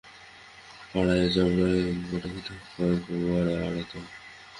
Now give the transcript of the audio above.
পাড়ায় চামড়ার গোটাকয়েক বড়ো আড়ত।